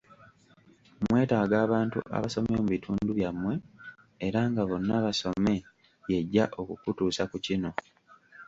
Mwetaaga abantu abasomye mu bitundu byammwe era nga Bonna Basome' y'ejja okukutusa ku kino.